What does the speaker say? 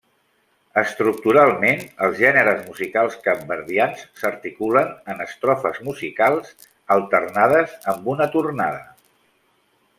Estructuralment, els gèneres musicals capverdians s'articulen en estrofes musicals, alternades amb una tornada.